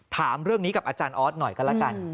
ถามเรื่องนี้กับอาจารย์ออสหน่อยก็แล้วกัน